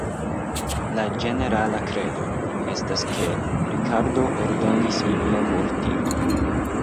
La ĝenerala kredo estas ke Rikardo ordonis ilian mortigon.